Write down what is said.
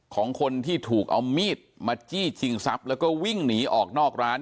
ของคนที่ถูกเอามีดมาจี้ชิงทรัพย์แล้วก็วิ่งหนีออกนอกร้าน